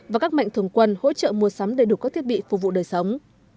và các mạnh thường quân hỗ trợ mua sắm đầy đủ các thiết bị phục vụ đời sống